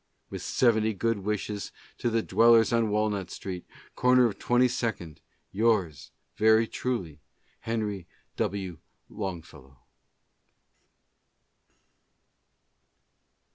With seventy good wishes lo the dwellers on Walnut Street, corner of Twenty second, Yours very truly, Henry W. Longfellow.